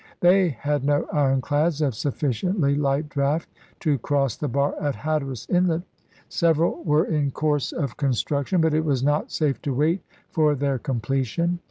They had no ironclads of sufficiently light draft to cross the bar at Hatteras Inlet ; sev eral were in course of construction, but it was not safe to wait for their completion.